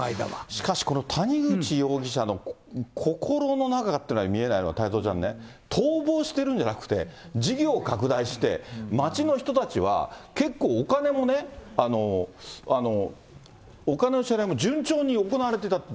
しかしこの谷口容疑者の心の中というのは見えないわ、太蔵ちゃんね、逃亡してるんじゃなくて、事業拡大して、町の人たちは結構お金も、お金の支払いも順調に行われてたと。